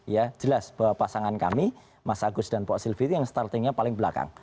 ya jelas bahwa pasangan kami mas agus dan pak silvi itu yang startingnya paling belakang